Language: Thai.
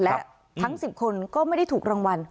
และทั้ง๑๐คนก็ไม่ได้ถูกรางวัล